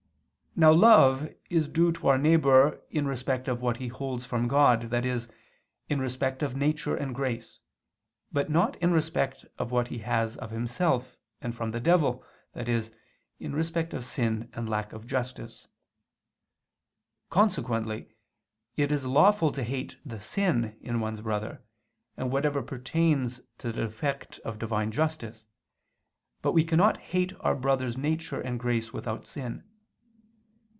Now love is due to our neighbor in respect of what he holds from God, i.e. in respect of nature and grace, but not in respect of what he has of himself and from the devil, i.e. in respect of sin and lack of justice. Consequently it is lawful to hate the sin in one's brother, and whatever pertains to the defect of Divine justice, but we cannot hate our brother's nature and grace without sin.